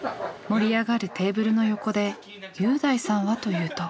盛り上がるテーブルの横で侑大さんはというと。